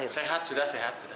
sehat sudah sehat